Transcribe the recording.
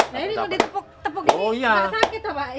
nah ini ditepuk tepuk ini tidak sakit pak